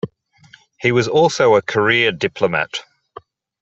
He was also a career diplomat.